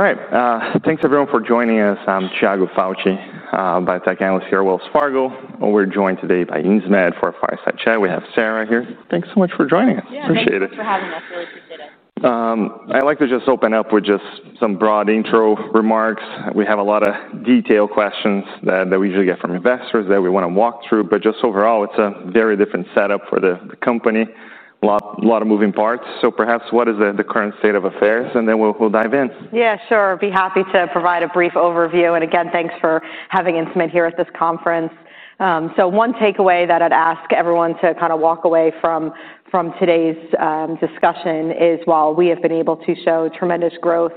All right. Thanks, everyone, for joining us. I'm Thiago Fauci, biotech analyst here at Wells Fargo. We're joined today by Insmed for a fireside chat. We have Sara here. Thanks so much for joining us. Yeah, thanks for having us. Really appreciate it. I'd like to just open up with some broad intro remarks. We have a lot of detailed questions that we usually get from investors that we want to walk through. Overall, it's a very different setup for the company. A lot of moving parts. Perhaps, what is the current state of affairs? Then we'll dive in. Yeah, sure. I'd be happy to provide a brief overview. Again, thanks for having Insmed here at this conference. One takeaway that I'd ask everyone to kind of walk away from today's discussion is, while we have been able to show tremendous growth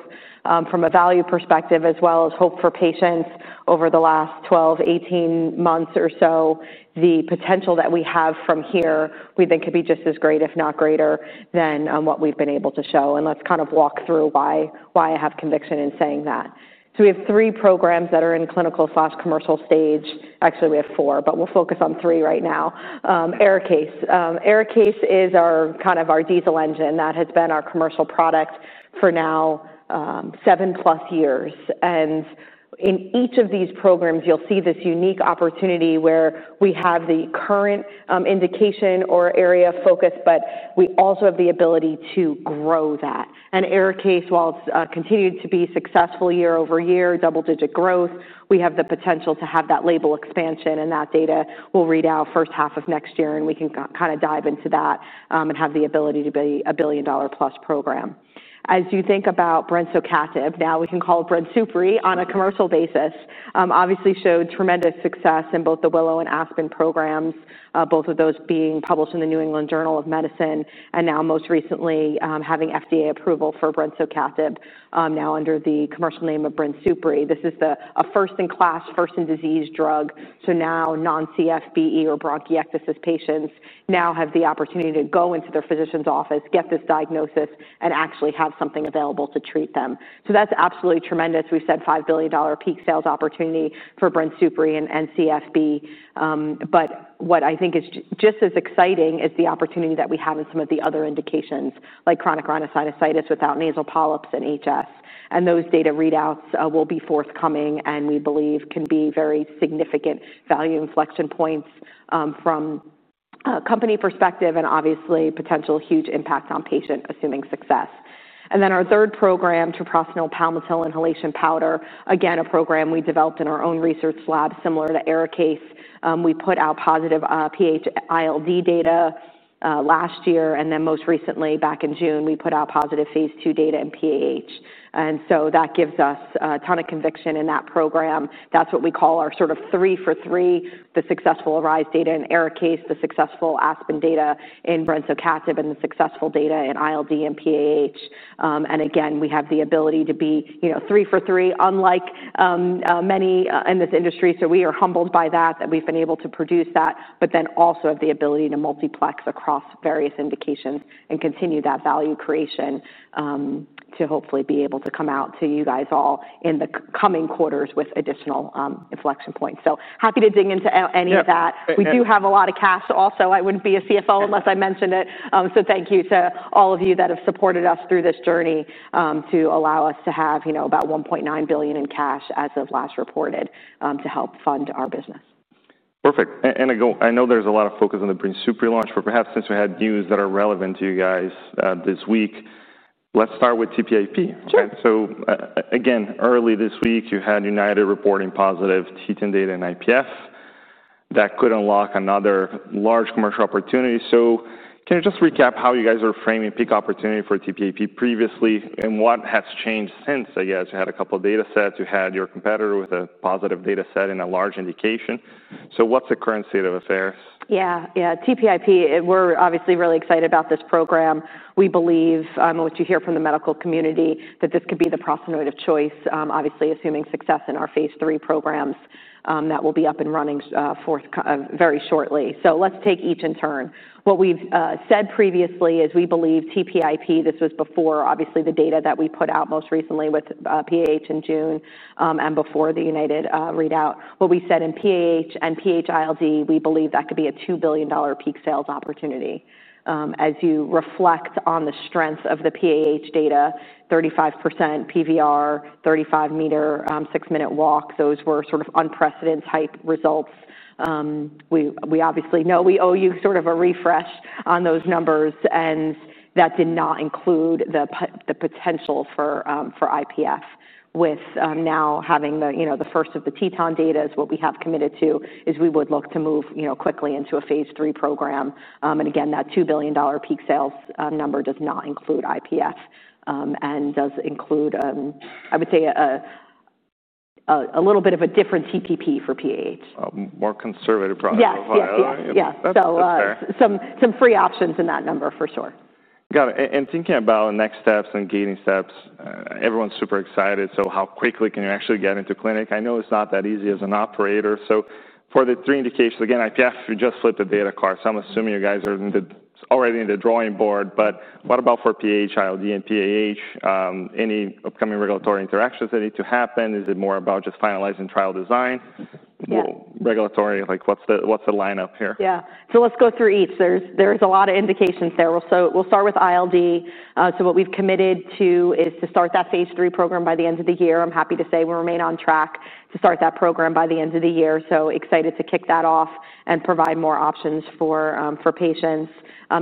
from a value perspective, as well as hope for patients over the last 12 months, 18 months or so, the potential that we have from here, we think, could be just as great, if not greater, than what we've been able to show. Let's kind of walk through why I have conviction in saying that. We have three programs that are in clinical/commercial stage. Actually, we have four, but we'll focus on three right now. ARIKAYCE. ARIKAYCE is kind of our diesel engine that has been our commercial product for now 7+ years. In each of these programs, you'll see this unique opportunity where we have the current indication or area of focus, but we also have the ability to grow that. ARIKAYCE, while it's continued to be successful year- over- year, double-digit growth, we have the potential to have that label expansion. That data will read out first half of next year. We can kind of dive into that and have the ability to be a billion-dollar-plus program. As you think about brensocatib, now you can call BRINSUPRI on a commerical basis, obviously showed tremendous success in both the WILLOW and ASPEN programs, both of those being published in The New England Journal of Medicine, and now most recently having FDA approval for brensocatib, now under the commercial name of BRINSUPRI. This is a first-in-class, first-in-disease drug. Non-CFB or bronchiectasis patients now have the opportunity to go into their physician's office, get this diagnosis, and actually have something available to treat them. That's absolutely tremendous. We've said $5 billion peak sales opportunity for BRINSUPRI in CFB. What I think is just as exciting is the opportunity that we have in some of the other indications, like chronic rhinosinusitis without nasal polyps and HS. Those data readouts will be forthcoming and we believe can be very significant value inflection points from a company perspective and obviously potential huge impacts on patients assuming success. Our third program, Treprostinil Palmitil Inhalation Powder, again, a program we developed in our own research lab similar to ARIKAYCE. We put out positive PAH-ILD data last year. Most recently, back in June, we put out positive phase II data in PAH. That gives us a ton of conviction in that program. That's what we call our sort of three for three: the successful ARISE data in ARIKAYCE, the successful ASPEN data in brensocatib, and the successful data in ILD and PAH. We have the ability to be three for three, unlike many in this industry. We are humbled by that, that we've been able to produce that, but then also have the ability to multiplex across various indications and continue that value creation to hopefully be able to come out to you guys all in the coming quarters with additional inflection points. Happy to dig into any of that. We do have a lot of cash. Also, I wouldn't be a CFO unless I mentioned it. Thank you to all of you that have supported us through this journey to allow us to have about $1.9 billion in cash as of last reported to help fund our business. Perfect. I know there's a lot of focus on the BRINSUPRI launch, but perhaps since we had news that are relevant to you guys this week, let's start with TPIP. Sure. Earlier this week, you had United reporting positive T10 data in IPF. That could unlock another large commercial opportunity. Can you just recap how you guys are framing peak opportunity for TPIP previously and what has changed since, I guess? You had a couple of data sets. You had your competitor with a positive data set in a large indication. What's the current state of affairs? Yeah, yeah. TPIP, we're obviously really excited about this program. We believe, and what you hear from the medical community, that this could be the [prosperity] of choice, obviously assuming success in our phase III programs that will be up and running very shortly. Let's take each in turn. What we've said previously is we believe TPIP, this was before obviously the data that we put out most recently with PAH in June and before the United readout. What we said in PAH and PAH-ILD, we believe that could be a $2 billion peak sales opportunity. As you reflect on the strength of the PAH data, 35% PVR, 35 m, six-minute walk, those were sort of unprecedented type results. We obviously know we owe you sort of a refresh on those numbers. That did not include the potential for IPF. With now having the first of the Teton data, what we have committed to is we would look to move quickly into a phase III program. Again, that $2 billion peak sales number does not include IPF and does include, I would say, a little bit of a different TPP for PAH. More conservative product profile. Yeah, yeah. Some free options in that number for sure. Got it. Thinking about next steps and gating steps, everyone's super excited. How quickly can you actually get into clinic? I know it's not that easy as an operator. For the three indications, again, IPF, you just flipped the data card. I'm assuming you guys are already on the drawing board. What about for PAH-ILD and PAH? Any upcoming regulatory interactions that need to happen? Is it more about just finalizing trial design? Yeah. Regulatory, like what's the lineup here? Yeah. Let's go through each. There's a lot of indications there. We'll start with ILD. What we've committed to is to start that phase III program by the end of the year. I'm happy to say we remain on track to start that program by the end of the year. Excited to kick that off and provide more options for patients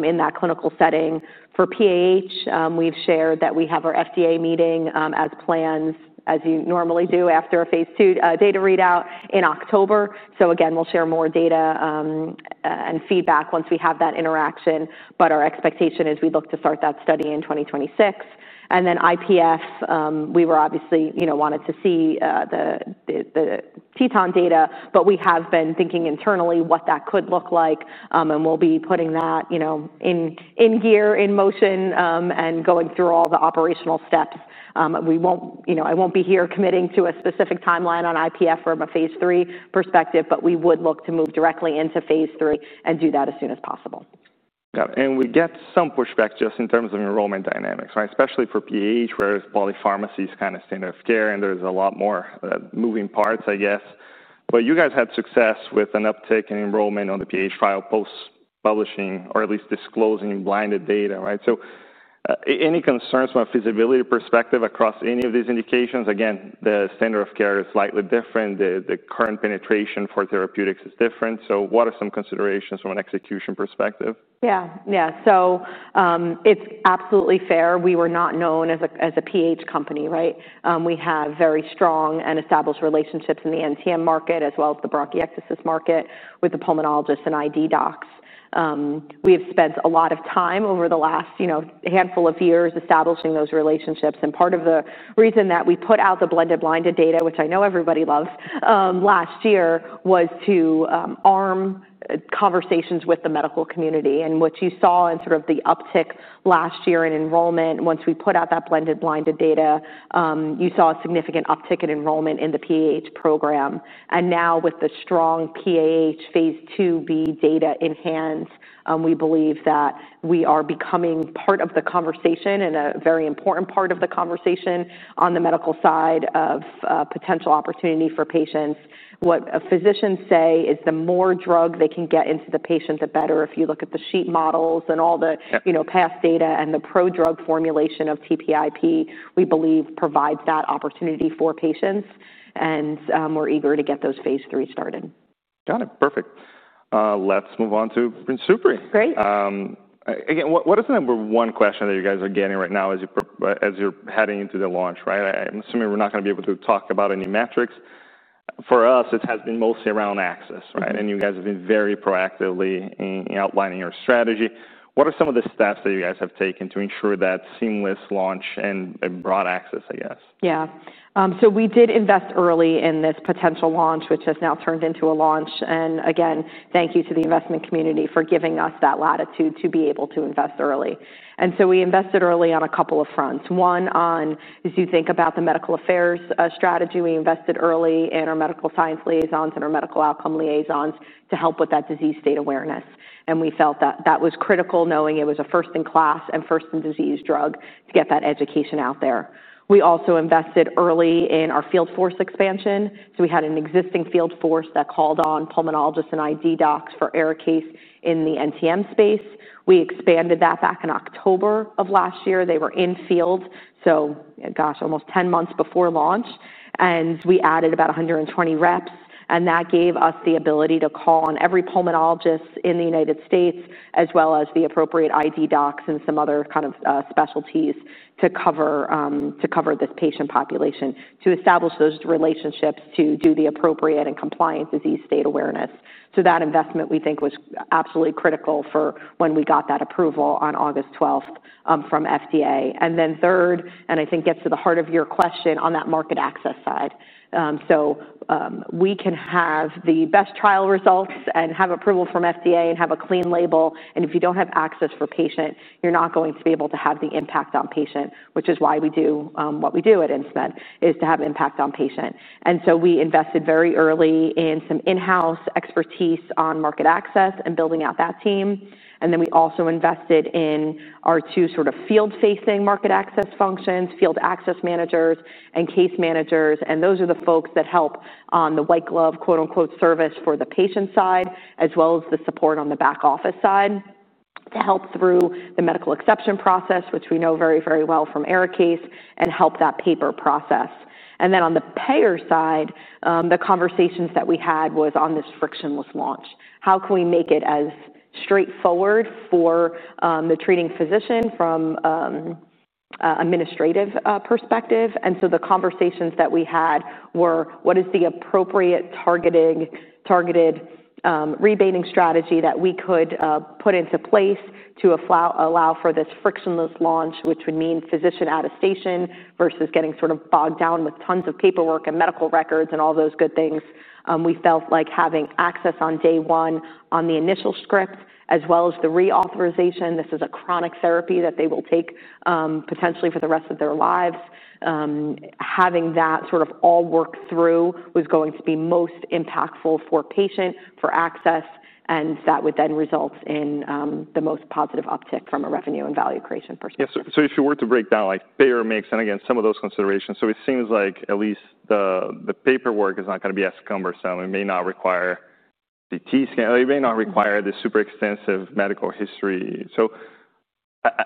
in that clinical setting. For PAH, we've shared that we have our FDA meeting as planned, as you normally do, after a phase II data readout in October. We'll share more data and feedback once we have that interaction. Our expectation is we look to start that study in 2026. For IPF, we obviously wanted to see the Teton data. We have been thinking internally what that could look like. We'll be putting that in gear, in motion, and going through all the operational steps. I won't be here committing to a specific timeline on IPF from a phase III perspective. We would look to move directly into phase III and do that as soon as possible. Got it. We get some pushback just in terms of enrollment dynamics, especially for PAH, where polypharmacy is kind of standard of care. There are a lot more moving parts, I guess. You guys had success with an uptick in enrollment on the PAH trial post-publishing or at least disclosing blinded data, right? Are there any concerns from a feasibility perspective across any of these indications? The standard of care is slightly different. The current penetration for therapeutics is different. What are some considerations from an execution perspective? Yeah, yeah. It's absolutely fair. We were not known as a PAH company, right? We have very strong and established relationships in the NTM market, as well as the bronchiectasis market with the pulmonologists and ID docs. We have spent a lot of time over the last handful of years establishing those relationships. Part of the reason that we put out the blended blinded data, which I know everybody loves, last year was to arm conversations with the medical community. What you saw in the uptick last year in enrollment, once we put out that blended blinded data, was a significant uptick in enrollment in the PAH program. Now with the strong PAH phase IIb data in hand, we believe that we are becoming part of the conversation and a very important part of the conversation on the medical side of potential opportunity for patients. What physicians say is the more drug they can get into the patient, the better. If you look at the sheet models and all the past data and the prodrug formulation of TPIP, we believe provides that opportunity for patients. We're eager to get those phase III started. Got it. Perfect. Let's move on to BRINSUPRI. Great. Again, what is the number one question that you guys are getting right now as you're heading into the launch, right? I'm assuming we're not going to be able to talk about any metrics. For us, it has been mostly around access, right? You guys have been very proactively outlining your strategy. What are some of the steps that you guys have taken to ensure that seamless launch and broad access, I guess? Yeah. We did invest early in this potential launch, which has now turned into a launch. Thank you to the investment community for giving us that latitude to be able to invest early. We invested early on a couple of fronts. One, as you think about the medical affairs strategy, we invested early in our Medical Science Liaisons and our Medical Outcome Liaisons to help with that disease state awareness. We felt that that was critical, knowing it was a first-in-class and first-in-disease drug, to get that education out there. We also invested early in our field force expansion. We had an existing field force that called on pulmonologists and ID docs for ARIKAYCE in the NTM space. We expanded that back in October of last year. They were in field almost 10 months before launch. We added about 120 reps. That gave us the ability to call on every pulmonologist in the United States, as well as the appropriate ID docs and some other specialties to cover this patient population, to establish those relationships, to do the appropriate and compliant disease state awareness. That investment, we think, was absolutely critical for when we got that approval on August 12th from FDA. Third, and I think gets to the heart of your question, on that market access side. We can have the best trial results and have approval from FDA and have a clean label. If you don't have access for patient, you're not going to be able to have the impact on patient, which is why we do what we do at Insmed, to have impact on patient. We invested very early in some in-house expertise on market access and building out that team. We also invested in our two field-facing market access functions, field access managers and case managers. Those are the folks that help on the white-glove, " service" for the patient side, as well as the support on the back office side to help through the medical exception process, which we know very, very well from ARIKAYCE, and help that paper process. On the payer side, the conversations that we had were on this frictionless launch. How can we make it as straightforward for the treating physician from an administrative perspective? The conversations that we had were, what is the appropriate targeted rebating strategy that we could put into place to allow for this frictionless launch, which would mean physician attestation versus getting sort of bogged down with tons of paperwork and medical records and all those good things? We felt like having access on day one on the initial script, as well as the reauthorization—this is a chronic therapy that they will take potentially for the rest of their lives—having that sort of all work through was going to be most impactful for patient, for access. That would then result in the most positive uptick from a revenue and value creation perspective. Yeah. If you were to break down payer mix and, again, some of those considerations, it seems like at least the paperwork is not going to be as cumbersome. It may not require a CT scan. It may not require this super extensive medical history.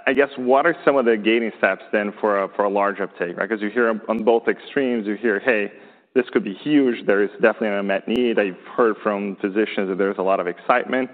I guess what are some of the gating steps then for a large uptake? You hear on both extremes, you hear, hey, this could be huge. There is definitely an unmet need. I've heard from physicians that there's a lot of excitement.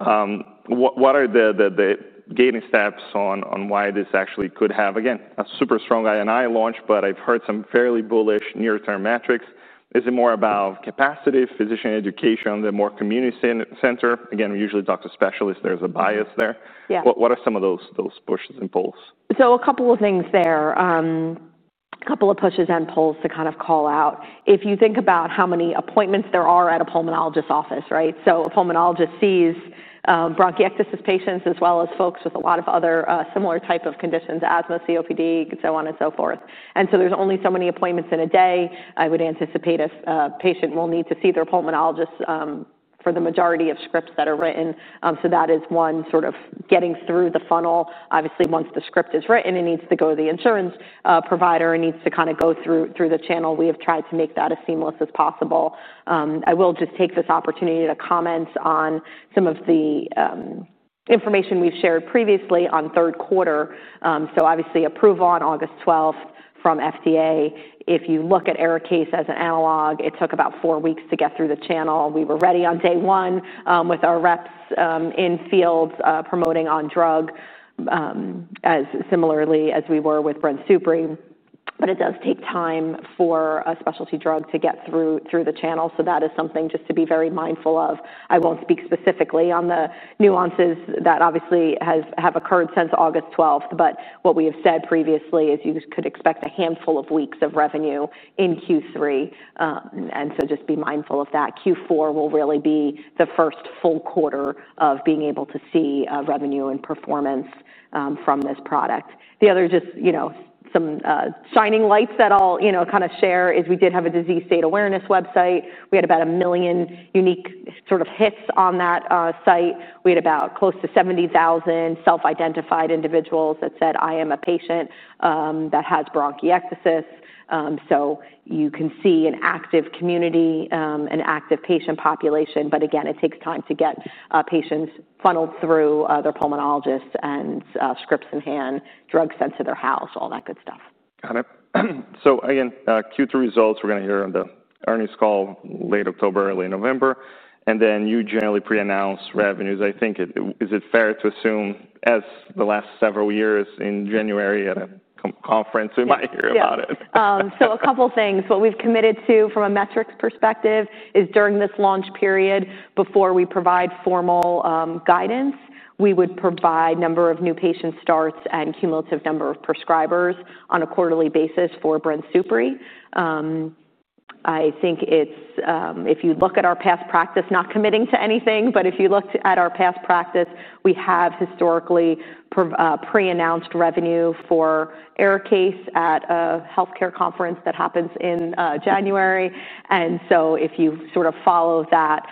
What are the gating steps on why this actually could have, again, a super strong INI launch? I've heard some fairly bullish near-term metrics. Is it more about capacity, physician education, the more community center? Again, we usually talk to specialists. There's a bias there. What are some of those pushes and pulls? A couple of things there, a couple of pushes and pulls to kind of call out. If you think about how many appointments there are at a pulmonologist's office, right? A pulmonologist sees bronchiectasis patients, as well as folks with a lot of other similar type of conditions, asthma, COPD, so on and so forth. There are only so many appointments in a day. I would anticipate a patient will need to see their pulmonologist for the majority of scripts that are written. That is one sort of getting through the funnel. Obviously, once the script is written, it needs to go to the insurance provider. It needs to kind of go through the channel. We have tried to make that as seamless as possible. I will just take this opportunity to comment on some of the information we've shared previously on third quarter. Obviously, approval on August 12th from FDA. If you look at ARIKAYCE as an analog, it took about four weeks to get through the channel. We were ready on day one with our reps in- field promoting on drug, as similarly as we were with BRINSUPRI. It does take time for a specialty drug to get through the channel. That is something just to be very mindful of. I won't speak specifically on the nuances that obviously have occurred since August 12th. What we have said previously is you could expect a handful of weeks of revenue in Q3. Just be mindful of that. Q4 will really be the first full quarter of being able to see revenue and performance from this product. The other just some shining lights that I'll kind of share is we did have a disease state awareness website. We had about a million unique sort of hits on that site. We had about close to 70,000 self-identified individuals that said, I am a patient that has bronchiectasis. You can see an active community, an active patient population. Again, it takes time to get patients funneled through their pulmonologists and scripts in hand, drugs sent to their house, all that good stuff. Got it. Q3 results, we're going to hear on the earnings call late October, early November. You generally pre-announce revenues. I think, is it fair to assume, as the last several years, in January at a conference, we might hear about it? Yeah. A couple of things. What we've committed to from a metrics perspective is during this launch period, before we provide formal guidance, we would provide a number of new patient starts and cumulative number of prescribers on a quarterly basis for BRINSUPRI. I think if you look at our past practice, not committing to anything, but if you looked at our past practice, we have historically pre-announced revenue for ARIKAYCE at a health care conference that happens in January. If you sort of follow that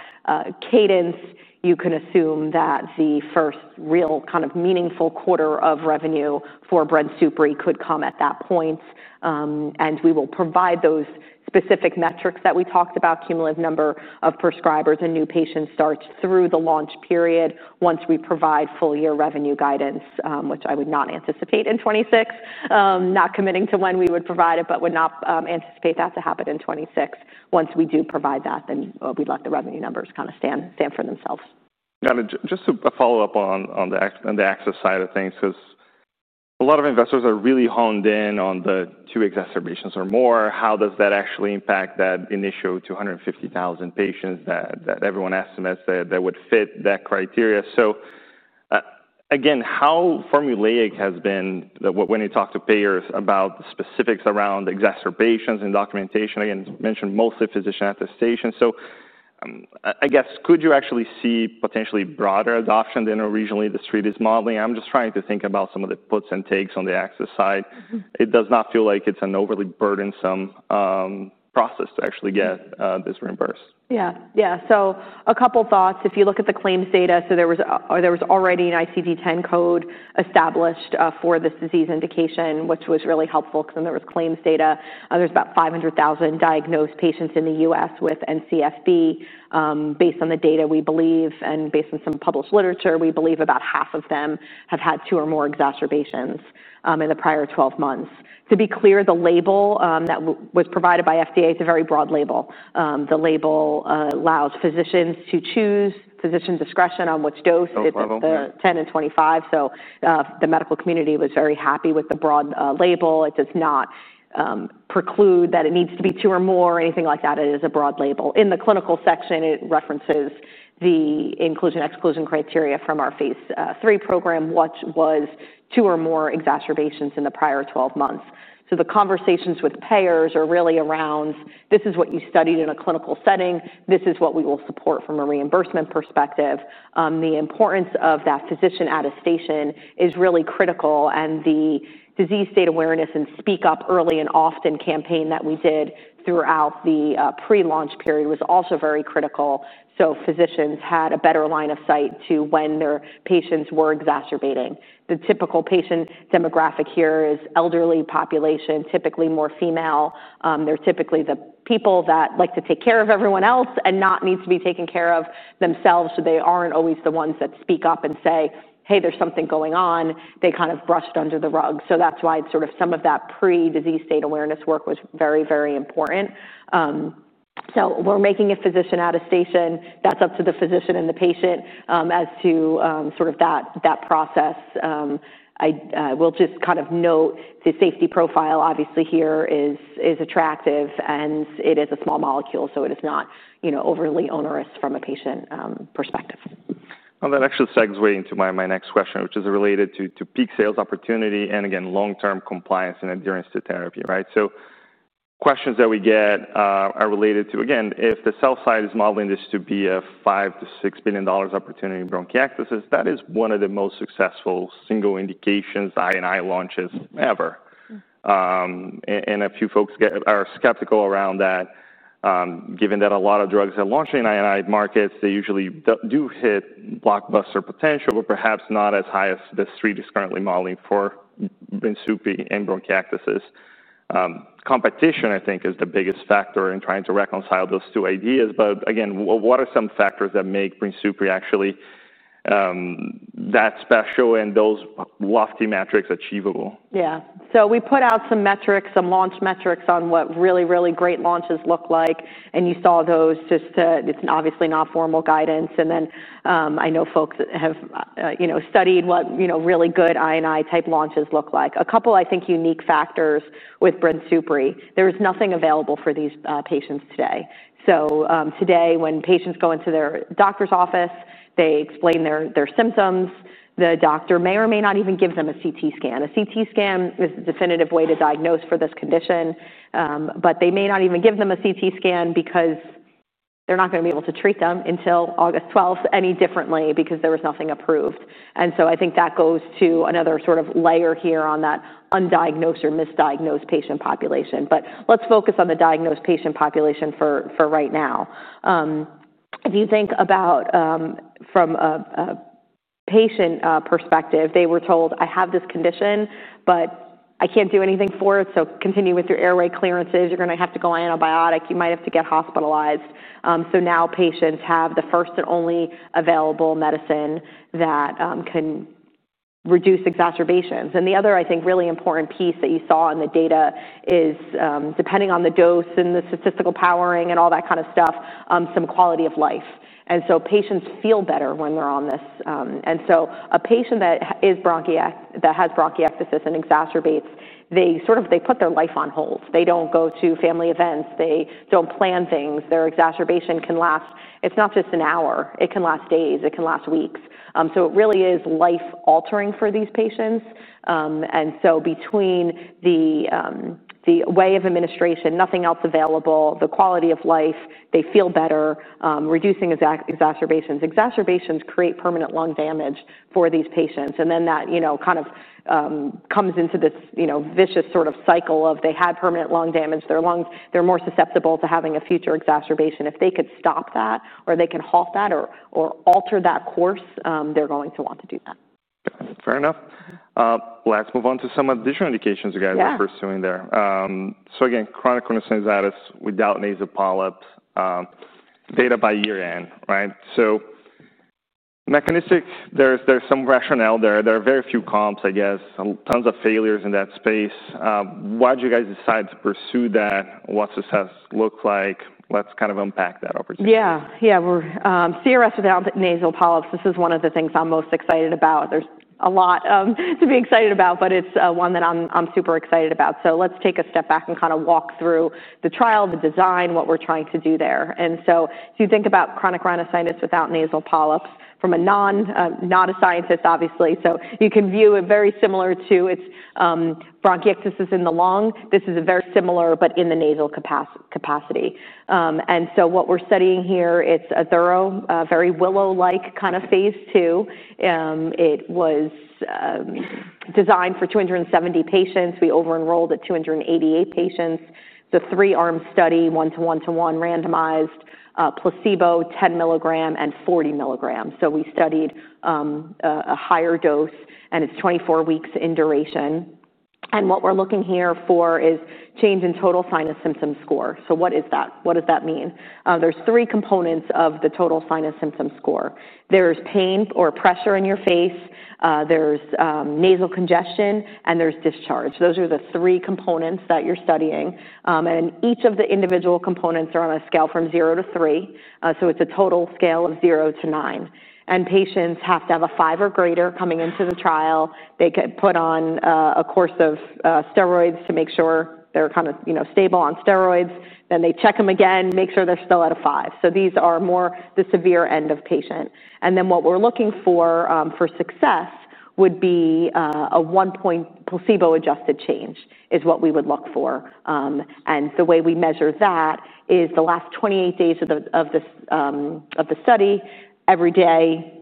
cadence, you can assume that the first real kind of meaningful quarter of revenue for BRINSUPRI could come at that point. We will provide those specific metrics that we talked about, cumulative number of prescribers and new patient starts through the launch period, once we provide full-year revenue guidance, which I would not anticipate in 2026. Not committing to when we would provide it, but would not anticipate that to happen in 2026. Once we do provide that, then we let the revenue numbers kind of stand for themselves. Got it. Just to follow up on the access side of things, because a lot of investors are really honed in on the two exacerbations or more. How does that actually impact that initial $250,000 patients that everyone estimates that would fit that criteria? Again, how formulaic has it been when you talk to payers about the specifics around exacerbations and documentation? You mentioned mostly physician attestation. Could you actually see potentially broader adoption than originally the street is modeling? I'm just trying to think about some of the puts and takes on the access side. It does not feel like it's an overly burdensome process to actually get this reimbursed. Yeah, yeah. A couple of thoughts. If you look at the claims data, there was already an ICD-10 code established for this disease indication, which was really helpful because then there was claims data. There's about 500,000 diagnosed patients in the U.S. with NCFB. Based on the data, we believe, and based on some published literature, we believe about half of them have had two or more exacerbations in the prior 12 months. To be clear, the label that was provided by FDA is a very broad label. The label allows physicians to choose physician discretion on which dose. 10 and 25. The medical community was very happy with the broad label. It does not preclude that it needs to be two or more, anything like that. It is a broad label. In the clinical section, it references the inclusion/exclusion criteria from our phase III program, which was two or more exacerbations in the prior 12 months. The conversations with payers are really around, this is what you studied in a clinical setting. This is what we will support from a reimbursement perspective. The importance of that physician attestation is really critical. The disease state awareness and Speak Up Early and Often campaign that we did throughout the pre-launch period was also very critical. Physicians had a better line of sight to when their patients were exacerbating. The typical patient demographic here is elderly population, typically more female. They're typically the people that like to take care of everyone else and not need to be taken care of themselves. They aren't always the ones that speak up and say, hey, there's something going on. They kind of brush it under the rug. That is why some of that pre-disease state awareness work was very, very important. We're making a physician attestation. That's up to the physician and the patient as to that process. I will just note the safety profile, obviously, here is attractive. It is a small molecule. It is not overly onerous from a patient perspective. That actually segues into my next question, which is related to peak sales opportunity and, again, long-term compliance and adherence to therapy, right? Questions that we get are related to, again, if the sell side is modeling this to be a $5 billion- $6 billion opportunity in bronchiectasis, that is one of the most successful single indications INI launches ever. A few folks are skeptical around that, given that a lot of drugs that launch in INI markets usually do hit blockbuster potential, but perhaps not as high as the street is currently modeling for BRINSUPRI and bronchiectasis. Competition, I think, is the biggest factor in trying to reconcile those two ideas. What are some factors that make BRINSUPRI actually that special and those lofty metrics achievable? Yeah. We put out some metrics, some launch metrics on what really, really great launches look like. You saw those. It's obviously not formal guidance. I know folks have studied what really good INI- type launches look like. A couple, I think, unique factors with BRINSUPRI, there is nothing available for these patients today. Today, when patients go into their doctor's office, they explain their symptoms. The doctor may or may not even give them a CT scan. A CT scan is a definitive way to diagnose for this condition. They may not even give them a CT scan because they're not going to be able to treat them until August 12th any differently because there was nothing approved. I think that goes to another sort of layer here on that undiagnosed or misdiagnosed patient population. Let's focus on the diagnosed patient population for right now. If you think about from a patient perspective, they were told, I have this condition, but I can't do anything for it. Continue with your airway clearances. You're going to have to go on antibiotics. You might have to get hospitalized. Now patients have the first and only available medicine that can reduce exacerbations. The other, I think, really important piece that you saw in the data is, depending on the dose and the statistical powering and all that kind of stuff, some quality of life. Patients feel better when they're on this. A patient that has bronchiectasis and exacerbates, they sort of put their life on hold. They don't go to family events. They don't plan things. Their exacerbation can last. It's not just an hour. It can last days. It can last weeks. It really is life-altering for these patients. Between the way of administration, nothing else available, the quality of life, they feel better, reducing exacerbations. Exacerbations create permanent lung damage for these patients. That kind of comes into this vicious sort of cycle of they had permanent lung damage. They're more susceptible to having a future exacerbation. If they could stop that or they can halt that or alter that course, they're going to want to do that. Fair enough. Let's move on to some of the additional indications you guys are pursuing there. Chronic rhinosinusitis without nasal polyps, data by year end, right? Mechanistic, there's some rationale there. There are very few comps, I guess, tons of failures in that space. Why did you guys decide to pursue that? What does success look like? Let's kind of unpack that over time. Yeah, yeah. We're CRS without nasal polyps. This is one of the things I'm most excited about. There's a lot to be excited about. It's one that I'm super excited about. Let's take a step back and kind of walk through the trial, the design, what we're trying to do there. If you think about chronic rhinosinusitis without nasal polyps, from a non-scientist, obviously, you can view it very similar to bronchiectasis in the lung. This is very similar, but in the nasal capacity. What we're studying here, it's a thorough, very WILLOW-like kind of phase II. It was designed for 270 patients. We over-enrolled at 288 patients. It's a three-arm study, one-to-one-to-one, randomized placebo, 10 mg and 40 mg. We studied a higher dose. It's 24 weeks in duration. What we're looking here for is change in total sinus symptom score. What is that? What does that mean? There's three components of the total sinus symptom score. There's pain or pressure in your face, there's nasal congestion, and there's discharge. Those are the three components that you're studying. Each of the individual components are on a scale from 0- 3, so it's a total scale of 0 - 9. Patients have to have a five or greater coming into the trial. They get put on a course of steroids to make sure they're kind of stable on steroids. They check them again, make sure they're still at a five. These are more the severe end of patient. What we're looking for for success would be a one-point placebo-adjusted change is what we would look for. The way we measure that is the last 28 days of the study, every day,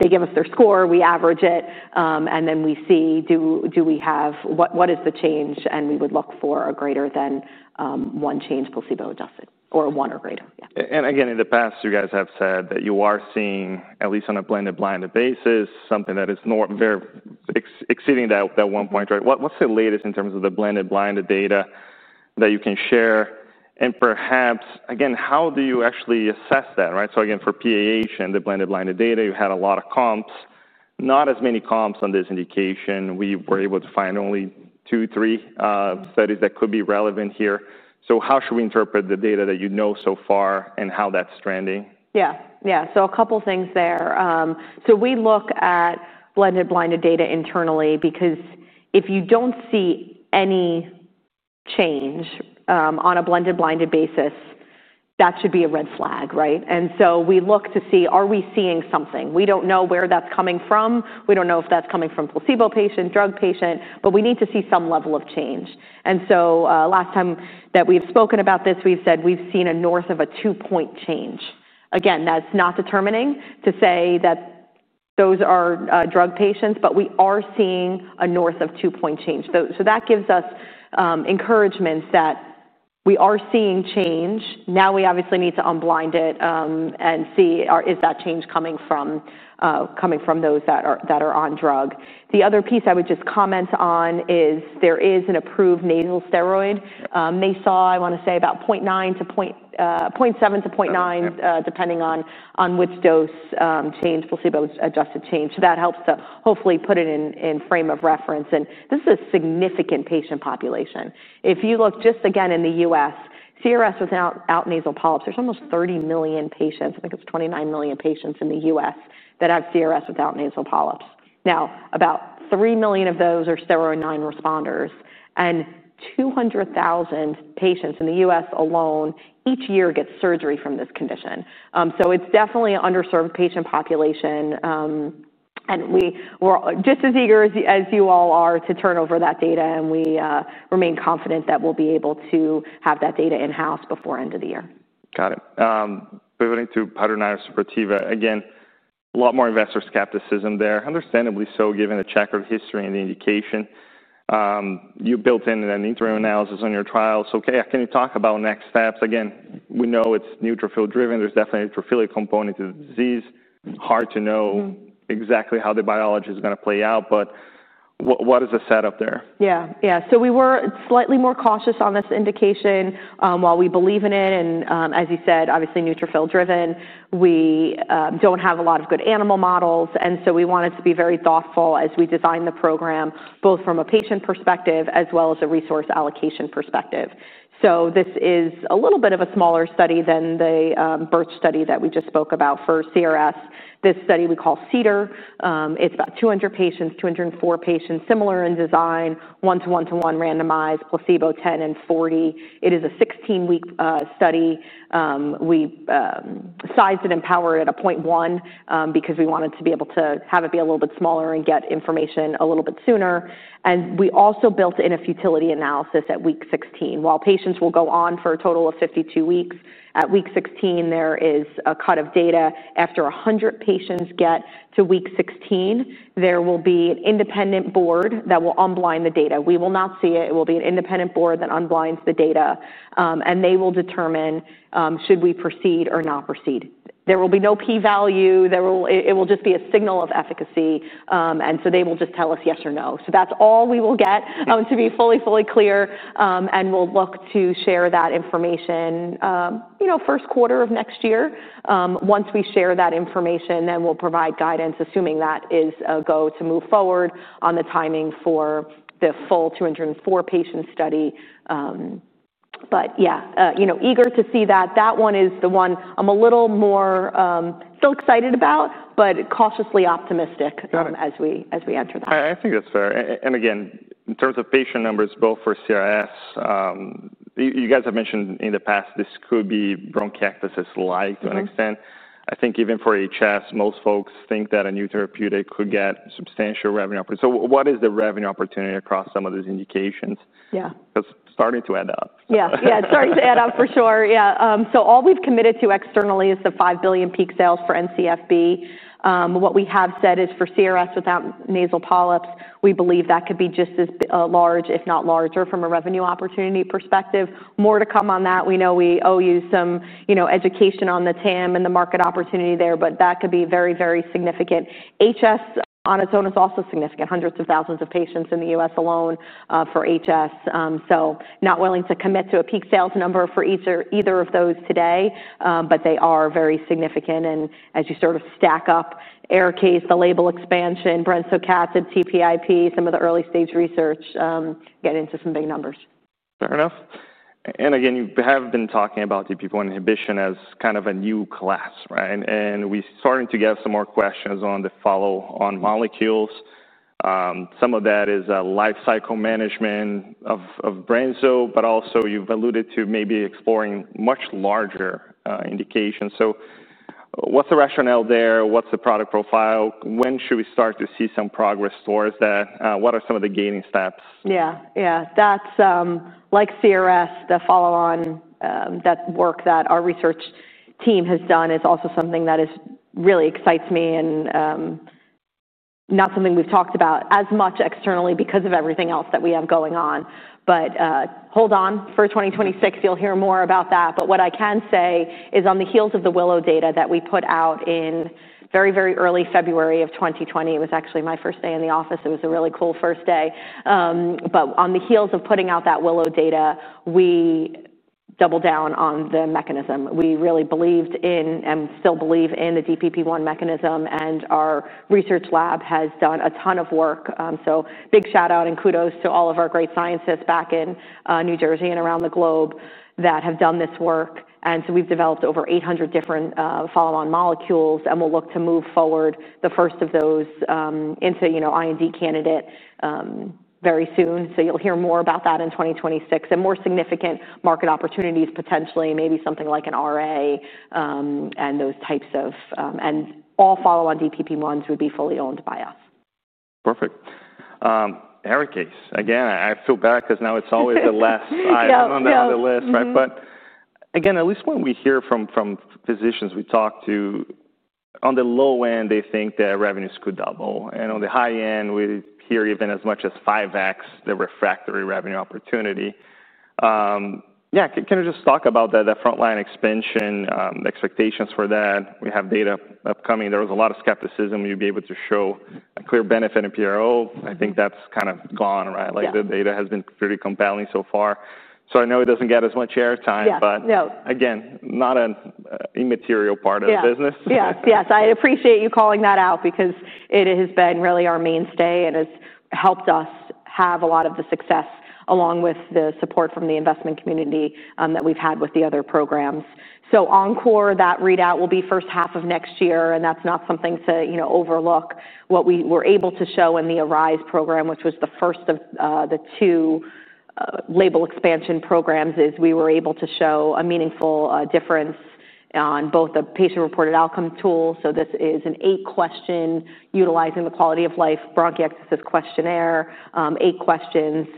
they give us their score. We average it, and then we see, do we have what is the change? We would look for a greater than one change placebo-adjusted or one or greater. In the past, you guys have said that you are seeing, at least on a blended- blinded basis, something that is exceeding that one point, right? What's the latest in terms of the blended- blinded data that you can share? Perhaps, how do you actually assess that, right? For PAH and the blended-b linded data, you had a lot of comps, not as many comps on this indication. We were able to find only two, three studies that could be relevant here. How should we interpret the data that you know so far and how that's trending? Yeah, yeah. A couple of things there. We look at blended- blinded data internally because if you don't see any change on a blended- blinded basis, that should be a red flag, right? We look to see, are we seeing something? We don't know where that's coming from. We don't know if that's coming from placebo patient, drug patient. We need to see some level of change. Last time that we've spoken about this, we've said we've seen a north of a two-point change. Again, that's not determining to say that those are drug patients. We are seeing a north of two-point change. That gives us encouragement that we are seeing change. Now we obviously need to unblind it and see, is that change coming from those that are on drug? The other piece I would just comment on is there is an approved nasal steroid. They saw, I want to say, about 0.7- 0.9, depending on which dose change, placebo-adjusted change. That helps to hopefully put it in frame of reference. This is a significant patient population. If you look just again in the U.S., CRS without nasal polyps, there's almost 30 million patients. I think it's 29 million patients in the U.S. that have CRS without nasal polyps. About 3 million of those are steroid non-responders. 200,000 patients in the U.S. alone each year get surgery from this condition. It's definitely an underserved patient population. We're just as eager as you all are to turn over that data. We remain confident that we'll be able to have that data in-house before end of the year. Got it. Pivoting to hidradenitis suppurativa, again, a lot more investor skepticism there, understandably so, given the checkered history in the indication. You built in an interim analysis on your trial. Can you talk about next steps? We know it's neutrophil driven. There's definitely a neutrophilia component to the disease. Hard to know exactly how the biology is going to play out. What is the setup there? Yeah, yeah. We were slightly more cautious on this indication while we believe in it. As you said, obviously neutrophil driven. We don't have a lot of good animal models, so we wanted to be very thoughtful as we designed the program, both from a patient perspective as well as a resource allocation perspective. This is a little bit of a smaller study than the BIRT study that we just spoke about for CRS. This study we call CEDAR. It's about 200 patients, 204 patients, similar in design, one-to-one-to-one randomized, placebo, 10 and 40. It is a 16-week study. We sized it and powered it at 0.1 because we wanted to be able to have it be a little bit smaller and get information a little bit sooner. We also built in a futility analysis at week 16. While patients will go on for a total of 52 weeks, at week 16, there is a cut of data. After 100 patients get to week 16, there will be an independent board that will unblind the data. We will not see it. It will be an independent board that unblinds the data, and they will determine, should we proceed or not proceed. There will be no p-value. It will just be a signal of efficacy, so they will just tell us yes or no. That's all we will get, to be fully, fully clear. We'll look to share that information first quarter of next year. Once we share that information, then we'll provide guidance, assuming that is a go to move forward on the timing for the full 204 patient study. Eager to see that. That one is the one I'm a little more still excited about, but cautiously optimistic as we enter that. I think that's fair. In terms of patient numbers, both for CRS, you guys have mentioned in the past this could be bronchiectasis-like to an extent. I think even for HS, most folks think that a new therapeutic could get substantial revenue. What is the revenue opportunity across some of these indications? Yeah. Because it's starting to add up. Yeah, yeah. It's starting to add up for sure. Yeah. All we've committed to externally is the $5 billion peak sales for NCFB. What we have said is for CRS without nasal polyps, we believe that could be just as large, if not larger, from a revenue opportunity perspective. More to come on that. We know we owe you some education on the TAM and the market opportunity there. That could be very, very significant. HS on its own is also significant, hundreds of thousands of patients in the U.S. alone for HS. Not willing to commit to a peak sales number for either of those today. They are very significant. As you sort of stack up ARIKAYCE, the label expansion, brensocatib, TPIP, some of the early stage research, get into some big numbers. Fair enough. You have been talking about TPP1 inhibition as kind of a new class, right? We're starting to get some more questions on the follow-on molecules. Some of that is a life cycle management of brenso, but also, you've alluded to maybe exploring much larger indications. What is the rationale there? What is the product profile? When should we start to see some progress towards that? What are some of the gating steps? Yeah, yeah. That's like CRS, the follow-on work that our research team has done is also something that really excites me and not something we've talked about as much externally because of everything else that we have going on. Hold on for 2026. You'll hear more about that. What I can say is on the heels of the WILLOW data that we put out in very, very early February of 2020, it was actually my first day in the office. It was a really cool first day. On the heels of putting out that WILLOW data, we doubled down on the mechanism. We really believed in and still believe in the TPP1 mechanism. Our research lab has done a ton of work. Big shout out and kudos to all of our great scientists back in New Jersey and around the globe that have done this work. We've developed over 800 different follow-on molecules, and we'll look to move forward the first of those into IND candidate very soon. You'll hear more about that in 2026 and more significant market opportunities, potentially, maybe something like an RA, and those types of and all follow-on TPP1s would be fully owned by us. Perfect. ARIKAYCE, again, I feel bad because now it's always the last item on the list, right? Again, at least what we hear from physicians we talk to, on the low end, they think their revenues could double. On the high end, we hear even as much as 5x the refractory revenue opportunity. Yeah, can you just talk about that frontline expansion, expectations for that? We have data upcoming. There was a lot of skepticism you'd be able to show a clear benefit in PRO. I think that's kind of gone, right? Yeah. The data has been pretty compelling so far. I know it doesn't get as much airtime. Yeah, no. Again, not an immaterial part of the business. Yeah, yes. I appreciate you calling that out because it has been really our mainstay. It has helped us have a lot of the success along with the support from the investment community that we've had with the other programs. Encore, that readout will be first half of next year. That's not something to overlook. What we were able to show in the ARISE program, which was the first of the two label expansion programs, is we were able to show a meaningful difference on both the patient-reported outcome tool. This is an eight-question utilizing the quality of life bronchiectasis questionnaire, eight questions.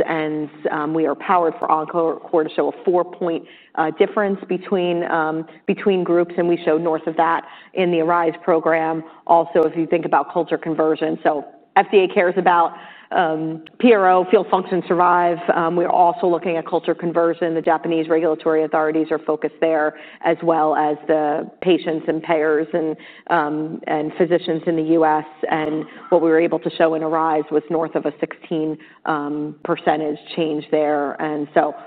We are powered for Encore to show a four-point difference between groups. We showed north of that in the ARISE program. Also, if you think about culture conversion, FDA cares about PRO, field function survive. We're also looking at culture conversion. The Japanese regulatory authorities are focused there, as well as the patients and payers and physicians in the U.S. What we were able to show in ARISE was north of a 16% change there.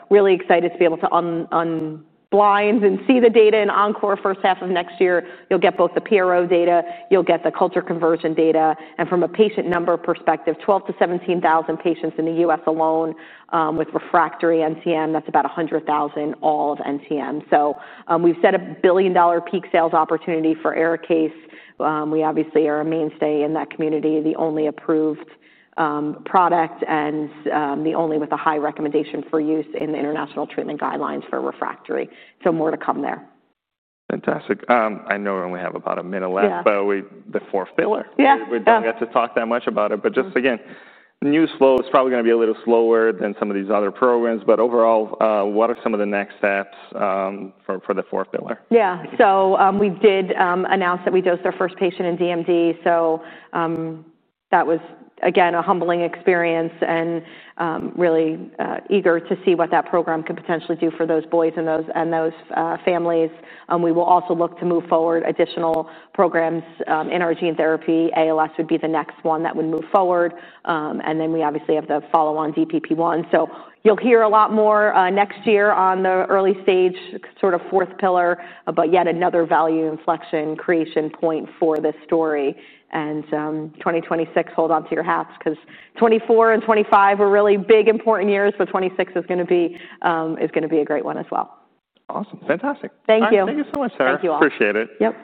Really excited to be able to unblind and see the data in Encore first half of next year. You'll get both the PRO data. You'll get the culture conversion data. From a patient number perspective, 12,000 - 17,000 patients in the U.S. alone with refractory NTM, that's about 100,000 all of NTM. We've set a billion-dollar peak sales opportunity for ARIKAYCE. We obviously are a mainstay in that community, the only approved product and the only with a high recommendation for use in the international treatment guidelines for refractory. More to come there. Fantastic. I know we only have about a minute left. The fourth pillar. Yeah. We have to talk that much about it. Again, news flow is probably going to be a little slower than some of these other programs. Overall, what are some of the next steps for the fourth pillar? Yeah. We did announce that we dosed our first patient in DMD. That was, again, a humbling experience. Really eager to see what that program could potentially do for those boys and those families. We will also look to move forward additional programs in our gene therapy. ALS would be the next one that would move forward. We obviously have the follow-on TPP1. You'll hear a lot more next year on the early stage sort of fourth pillar, yet another value inflection creation point for this story. In 2026, hold on to your hats, because 2024 and 2025 are really big important years. 2026 is going to be a great one as well. Awesome. Fantastic. Thank you. Thank you so much, Sara. Thank you all. Appreciate it. Yep.